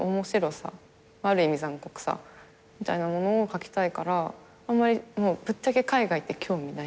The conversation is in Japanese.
ある意味残酷さみたいなものを書きたいからもうぶっちゃけ海外って興味ない。